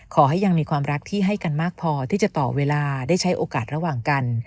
ขอให้ยังมีความรักที่ให้กันมากพอที่จะต่อเวลาได้ใช้โอกาสระหว่างกัน